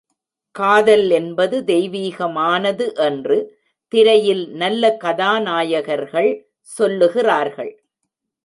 காதல் என்பது தெய்வீகமானது என்று திரையில் நல்ல கதாநாயகர்கள் சொல்லுகிறார்கள்.